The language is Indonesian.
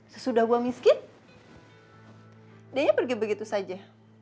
sesudah gue miskin dia pergi begitu saja